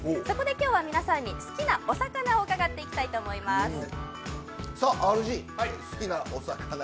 そこで今日は皆さんに好きなお魚を伺っていきたいと思います。